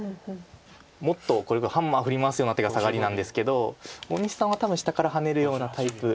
もっとハンマー振り回すような手がサガリなんですけど大西さんは多分下からハネるようなタイプ。